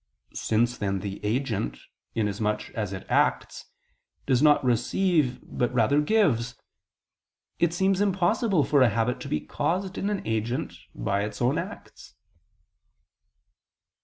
Since then the agent, inasmuch as it acts, does not receive but rather gives: it seems impossible for a habit to be caused in an agent by its own acts.